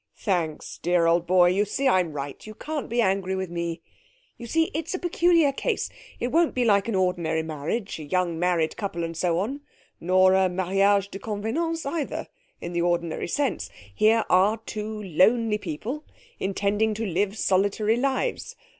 'Thanks, dear old boy. You see I'm right. You can't be angry with me.... You see it's a peculiar case. It won't be like an ordinary marriage, a young married couple and so on, nor a mariage de convenance, either, in the ordinary sense. Here are two lonely people intending to live solitary lives.